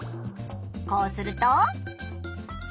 こうすると。